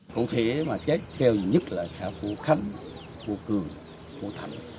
cụ thể mà chết keo nhất là khá vô khăn vô cường